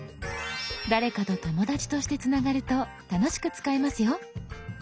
誰かと「友だち」としてつながると楽しく使えますよ。